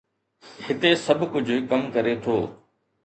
هتي سڀ ڪجهه ڪم ڪري ٿو.